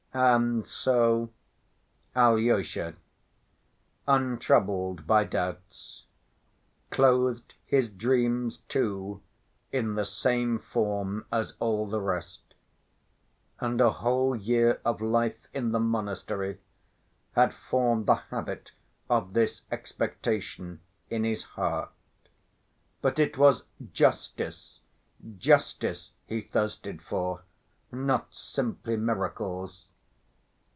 And so Alyosha, untroubled by doubts, clothed his dreams too in the same form as all the rest. And a whole year of life in the monastery had formed the habit of this expectation in his heart. But it was justice, justice, he thirsted for, not simply miracles.